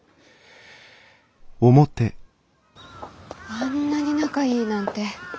あんなに仲いいなんて。